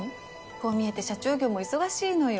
こう見えて社長業も忙しいのよ。